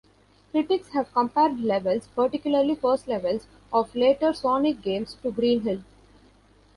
Critics have compared levels, particularly first levels, of later "Sonic" games to Green Hill.